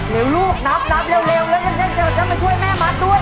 เร็วลูกนับนับเร็วเร็วเร็วเร็วเร็วช่วยแม่มัดด้วย